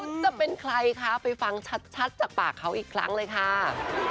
คุณจะเป็นใครคะไปฟังชัดจากปากเขาอีกครั้งเลยค่ะ